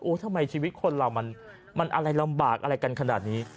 ทำไมชีวิตคนเรามันอะไรลำบากอะไรกันขนาดนี้